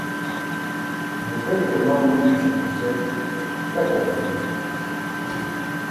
muu belaṭe maġun diyuśam nuse kakar manimi